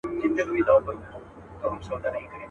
زه به ستا محفل ته زلمۍ شپې له کومه راوړمه.